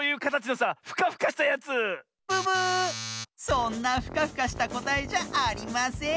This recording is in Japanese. そんなフカフカしたこたえじゃありません。